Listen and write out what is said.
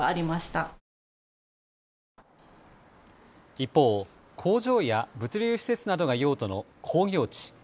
一方、工場や物流施設などが用途の工業地。